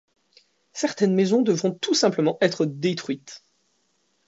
Certaines maisons devront tout simplement être détruites.